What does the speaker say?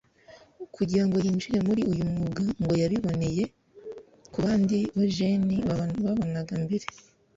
Kugira ngo yinjire muri uyu mwuga ngo yabiboneye ku bandi bajeni babanaga mbere